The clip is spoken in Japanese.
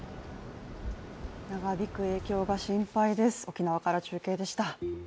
長引く影響が心配です、沖縄から中継でした。